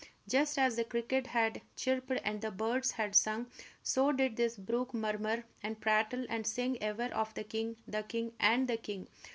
just as the cricket had chirped and the birds had sung, so did this brook murmur and prattle and sing ever of the king, the king, the king.